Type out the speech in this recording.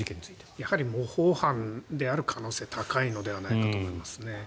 やはり模倣犯である可能性は高いのではないかと思いますね。